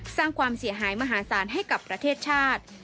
สร้างความเสียหายมหาศาลให้กับประเทศชาติ